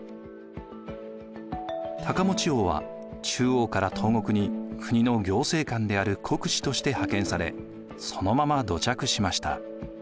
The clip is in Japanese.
高望王は中央から東国に国の行政官である国司として派遣されそのまま土着しました。